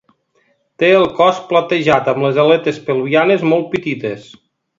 Té el cos platejat amb les aletes pelvianes molt petites.